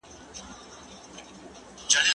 زه له سهاره پلان جوړوم!.